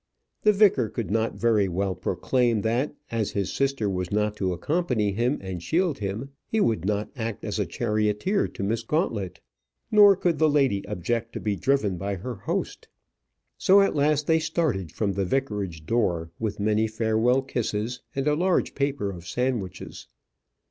The vicar could not very well proclaim that, as his sister was not to accompany him and shield him, he would not act as charioteer to Miss Gauntlet; nor could the lady object to be driven by her host. So at last they started from the vicarage door with many farewell kisses, and a large paper of sandwiches.